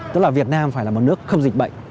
tức là việt nam phải là một nước không dịch bệnh